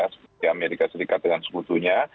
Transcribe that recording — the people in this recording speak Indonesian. seperti amerika serikat dengan sekutunya